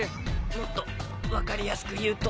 もっと分かりやすく言うと？